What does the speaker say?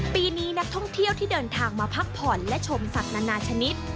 ปีนี้นักท่องเที่ยวที่เดินทางมาพักผ่อนและชมสัตว์นานาชนิด